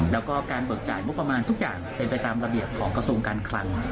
แล้วก็การเบิกจ่ายงบประมาณทุกอย่างเป็นไปตามระเบียบของกระทรวงการคลัง